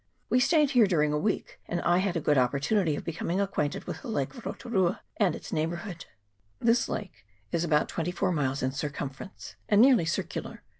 We stayed here during a week ; and I had a good opportunity of becoming acquainted with the lake of Rotu rua and its neighbourhood. This lake is about twenty four miles in circum ference, and nearly circular.